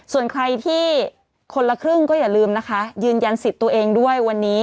ส่วนใครที่คนละครึ่งก็อย่าลืมนะคะยืนยันสิทธิ์ตัวเองด้วยวันนี้